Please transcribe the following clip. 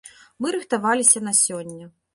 Мы рыхтаваліся на сёння.